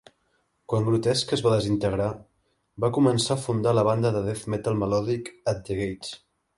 Quan Grotesque es va desintegrar, va començar a fundar la banda de death metal melòdic At the Gates.